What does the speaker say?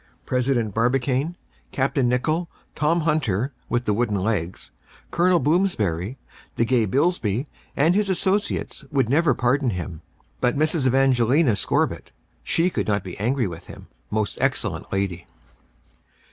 President Barbicane, Capt. Nicholl, Tom Hunter, with wooden legs; Col. Bloomsberry, the gay Bilsby, and his associates would never pardon him. But Mrs. Evangelina Scorbitt she could not be angry with him, most excellent lady.